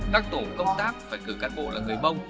các tổ công tác phải cử cán bộ là người mông